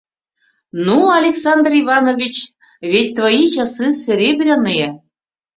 Ну, Александр Иванович, ведь твои часы серебряные...